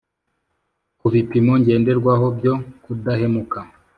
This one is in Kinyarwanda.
ku bipimo ngenderwaho byo kudahemuka